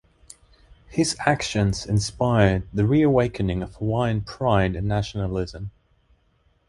His actions inspired the reawakening of Hawaiian pride and nationalism.